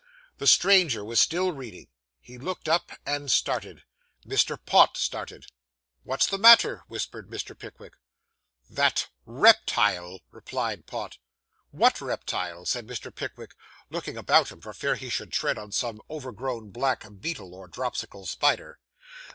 The stranger was still reading; he looked up and started. Mr. Pott started. 'What's the matter?' whispered Mr. Pickwick. 'That reptile!' replied Pott. 'What reptile?' said Mr. Pickwick, looking about him for fear he should tread on some overgrown black beetle, or dropsical spider.